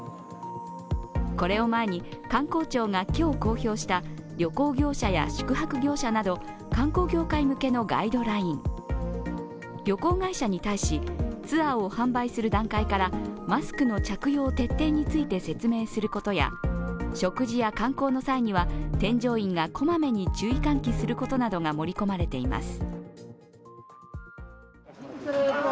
これを前に観光庁が今日公表した旅行業者や宿泊業者など観光業界向けのガイドライン、旅行会社に対し、ツアーを販売する段階からマスクの着用徹底について説明することや食事や観光の際には添乗員がこまめに注意喚起することなどが盛り込まれています。